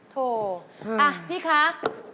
โธ่อ่ะพี่คะ